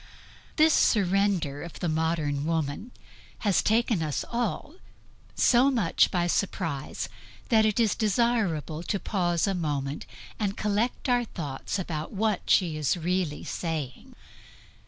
This surrender of the modern woman has taken us all so much by surprise that it is desirable to pause a moment, and collect our wits about what she is really saying.